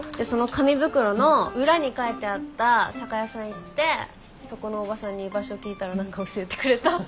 その紙袋の裏に書いてあった酒屋さん行ってそこのおばさんに場所聞いたら何か教えてくれた。